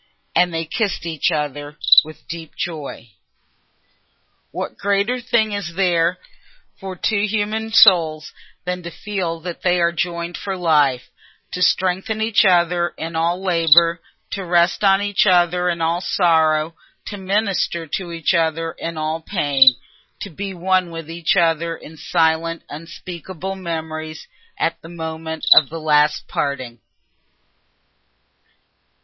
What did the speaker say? And they kissed each other with a deep joy. What greater thing is there for two human souls than to feel that they are joined for life—to strengthen each other in all labour, to rest on each other in all sorrow, to minister to each other in all pain, to be one with each other in silent unspeakable memories at the moment of the last parting?